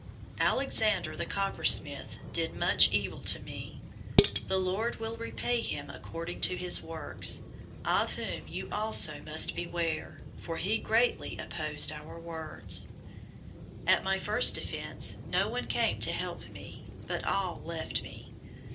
004:014 Alexander, the coppersmith, did much evil to me. The Lord will repay him according to his works, 004:015 of whom you also must beware; for he greatly opposed our words. 004:016 At my first defense, no one came to help me, but all left me.